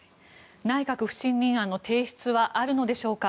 内閣不信任案の提出はあるのでしょうか。